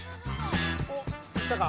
おっいったか？